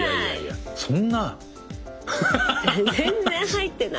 全然入ってない。